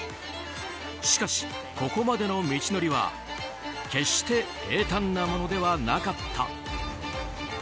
しかし、ここまでの道のりは決して平坦なものではなかった。